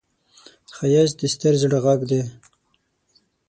ښایست د ستر زړه غږ دی